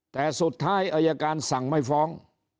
แต่สุดท้ายอายการสั่งไม่ฟ้อง